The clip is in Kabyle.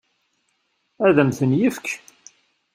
Ad m-ten-yefk?